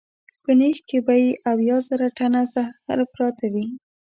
په نېښ کې به یې اویا زره ټنه زهر پراته وي.